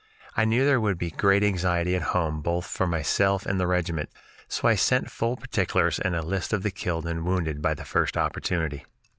I knew there would be great anxiety at home both for myself and the regiment, so I sent full particulars and list of the killed and wounded by the first opportunity."